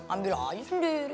ambil aja sendiri